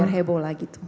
biar heboh lah gitu